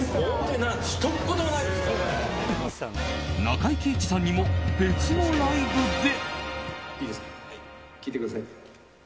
中井貴一さんにも別のライブで。